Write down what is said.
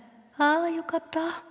あよかった。